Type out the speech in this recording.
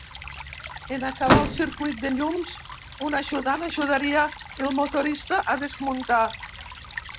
En acabar el circuit de llums, un ajudant ajudaria el motorista a desmuntar.